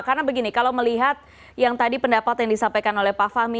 karena begini kalau melihat yang tadi pendapat yang disampaikan oleh pak fahmi